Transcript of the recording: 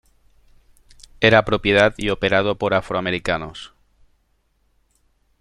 Era propiedad y operado por afroamericanos.